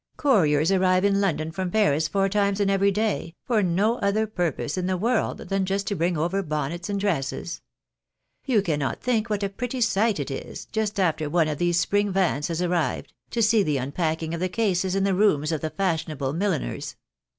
Couriers arrive in London from Paris four times in every day, for no other purpose in the world than just to bring over bonnets and dresses. You cannot think what a pretty sight it is, just after one of these spring vans has arrived, to see the unpacking of the cases in the rooms of the fashionable milliners